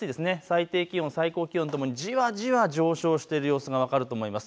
最低気温、最高気温ともにじわじわ上昇している様子が分かると思います。